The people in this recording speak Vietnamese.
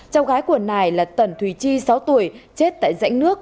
cháu gái của này là tần thùy chi sáu tuổi chết tại rãnh nước